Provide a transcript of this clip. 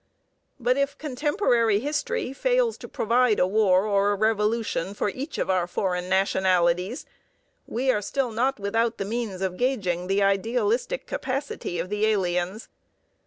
But if contemporary history fails to provide a war or revolution for each of our foreign nationalities, we are still not without the means of gauging the idealistic capacity of the aliens.